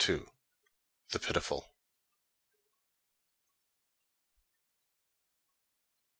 "The Pitiful." LXI.